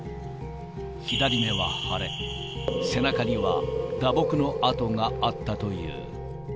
左目は腫れ、背中には打撲の痕があったという。